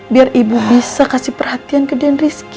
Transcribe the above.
biar ibu bisa kasih perhatian ke dan rizky